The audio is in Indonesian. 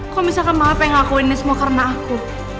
kok misalkan maaf yang ngakuinnya semua karena aku